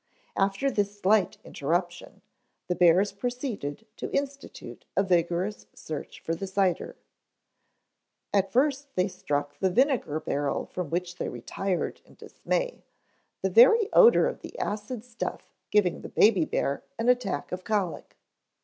After this slight interruption, the bears proceeded to institute a vigorous search for the cider. At first they struck the vinegar barrel from which they retired in dismay, the very odor of the acid stuff giving the baby bear an attack of colic.